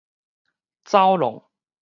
走挵